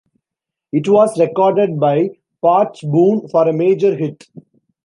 It was recorded by Pat Boone for a major hit.